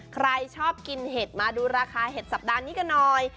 ใครชอบกินเห็ดมาดูราคาเห็ดสัปดาห์นี้กันหน่อย